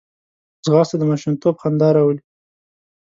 ځغاسته د ماشومتوب خندا راولي